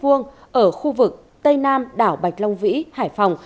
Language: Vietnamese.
ở khu vực tây nam đảo bạch long vĩ hải phòng